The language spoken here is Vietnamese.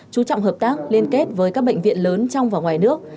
chú trọng hợp tác liên kết với các bệnh viện lớn trong và ngoài nước